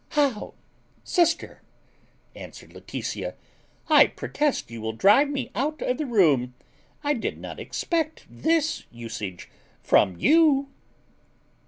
"How, sister!" answered Laetitia; "I protest you will drive me out of the room: I did not expect this usage from you."